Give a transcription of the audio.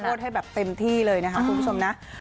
ให้แบบเต็มที่เลยนะคะคุณผู้ชมนะ